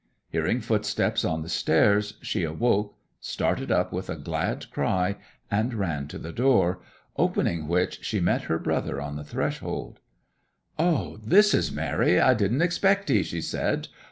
Hearing footsteps on the stairs, she awoke, started up with a glad cry, and ran to the door, opening which she met her brother on the threshold. 'O, this is merry; I didn't expect 'ee!' she said.